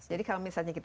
jadi kalau misalnya kita